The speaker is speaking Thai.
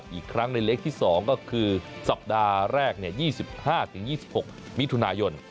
อีกครั้งในเล็กที่๒ก็คือสัปดาห์แรก๒๕๒๖มิถุนายน